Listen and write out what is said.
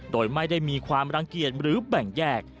โดยไม่ได้มีความรังเกียจหรือแบ่งแยก